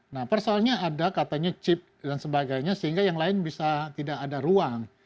nah persoalnya ada katanya chip dan sebagainya sehingga yang lain bisa tidak ada ruang